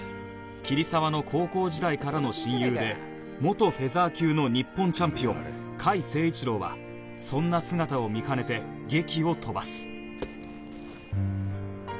桐沢の高校時代からの親友で元フェザー級の日本チャンピオン甲斐誠一郎はそんな姿を見かねて檄を飛ばす